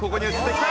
きた！